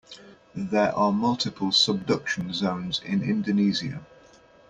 There are multiple subduction zones in Indonesia.